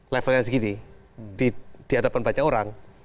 level yang segini di hadapan banyak orang